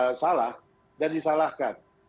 mau merasa salah dan disalahkan